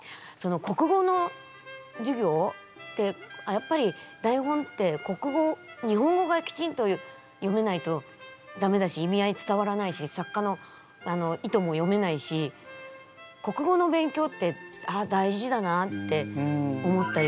国語の授業ってやっぱり台本って日本語がきちんと読めないとダメだし意味合い伝わらないし作家の意図も読めないし国語の勉強ってああ大事だなって思ったり。